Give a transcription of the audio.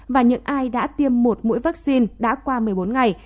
và những ai đã tiêm một mũi vaccine đã qua một mươi bốn ngày